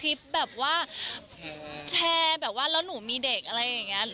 แบบว่าแชร์แบบว่าแล้วหนูมีเด็กอะไรอย่างนี้